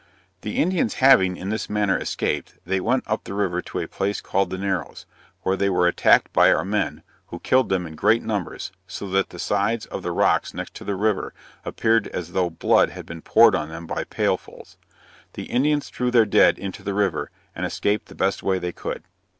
The Indians having, in this manner, escaped, they went up the river to a place called the Narrows, where they were attacked by our men, who killed them in great numbers, so that the sides of the rocks next the river appeared as though blood had been poured on them by pailfulls. The Indians threw their dead into the river, and escaped the best way they could.